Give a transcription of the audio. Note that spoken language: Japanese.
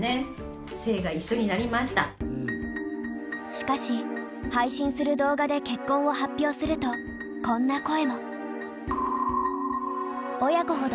しかし配信する動画で結婚を発表するとこんな声も。